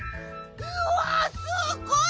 うわすっごい！